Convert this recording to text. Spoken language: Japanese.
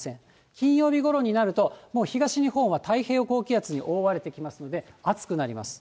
金曜日ごろになると、もう東日本は太平洋高気圧に覆われてきますので、暑くなります。